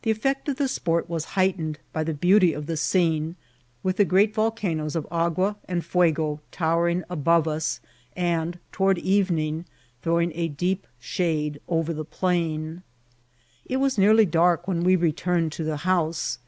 The effisct of the ttpon was heightened by the beauty of the scene, widi the great Tolcanoes of Agua and Poego towering abore us, and toward erening throwing a deep diade oTer the plain. It was nearly dark when we returned to the house.